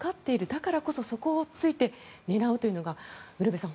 だからこそそこを突いて狙うというのがウルヴェさん